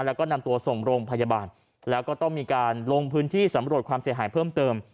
แล้วก็นำตัวส่งโรงพยาบาลแล้วก็ต้องมีการลงพื้นที่สำรวจความเสียหายเพิ่มเติม